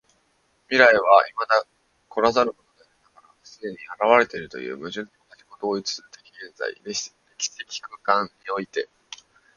未来は未だ来らざるものでありながら既に現れているという矛盾的自己同一的現在（歴史的空間）において、